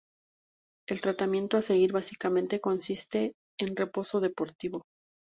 El tratamiento a seguir, básicamente, consiste en reposo deportivo.